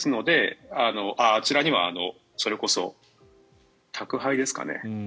あちらには、それこそ宅配ですかね。